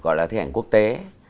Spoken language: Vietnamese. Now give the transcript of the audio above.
gọi là thi ảnh quốc tế